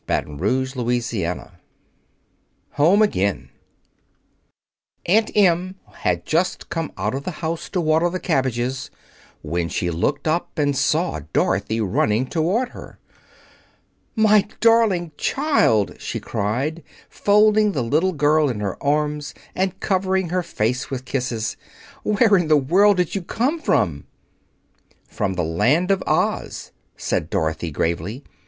Chapter XXIV Home Again Aunt Em had just come out of the house to water the cabbages when she looked up and saw Dorothy running toward her. "My darling child!" she cried, folding the little girl in her arms and covering her face with kisses. "Where in the world did you come from?" "From the Land of Oz," said Dorothy gravely.